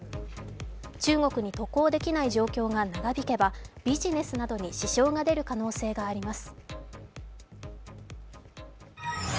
中国に渡航できない状況が長引けばビジネスなどに支障が出る可能性があります。